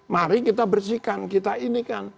mari kita bersihkan kita ini kan